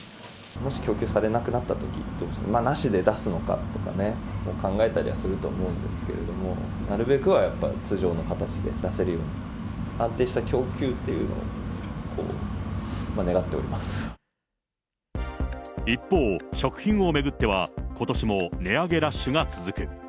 もし供給されなくなったとき、なしで出すのかとかね、考えたりはすると思うんですけども、なるべくはやっぱり通常の形で出せるように、安定した供給ってい一方、食品を巡っては、ことしも値上げラッシュが続く。